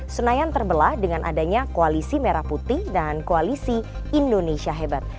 senayan terbelah dengan adanya koalisi merah putih dan koalisi indonesia hebat